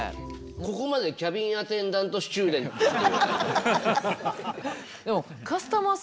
ここまでキャビンアテンダントスチューデントって。